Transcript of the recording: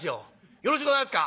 よろしゅうございますか」。